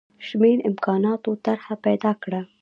شمېر امکاناتو طرح پیدا کړه.